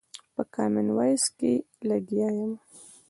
په کامن وايس کښې لګيا ىمه